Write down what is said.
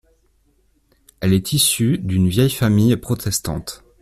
Elle est issue d'une vieille famille protestante.